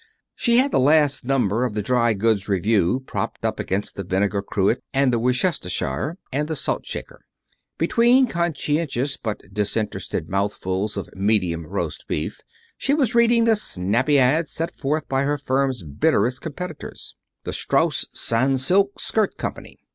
She had the last number of the Dry Goods Review propped up against the vinegar cruet and the Worcestershire, and the salt shaker. Between conscientious, but disinterested mouthfuls of medium roast beef, she was reading the snappy ad set forth by her firm's bitterest competitors, the Strauss Sans silk Skirt Company.